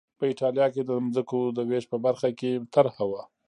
په اېټالیا کې د ځمکو د وېش په برخه کې طرحه وه